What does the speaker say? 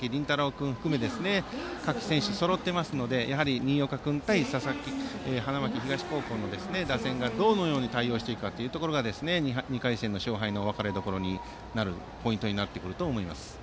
君含め各選手、そろっていますので新岡君との対戦に花巻東高校の打線がどう対応していくかが２回戦の勝敗の分れどころになるポイントになってくると思います。